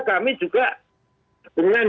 kami juga dengan